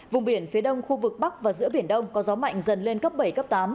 vùng biển phía đông khu vực bắc và giữa biển đông có gió mạnh dần lên cấp bảy cấp tám